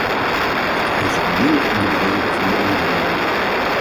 Ik eis de onmiddellijke onderbreking van de onderhandelingen.